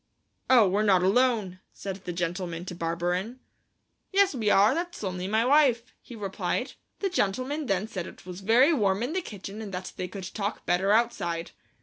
"'Oh, we're not alone,' said the gentleman to Barberin. "'Yes, we are; that's only my wife,' he replied. The gentleman then said it was very warm in the kitchen and that they could talk better outside.